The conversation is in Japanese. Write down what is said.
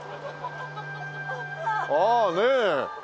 ああねえ。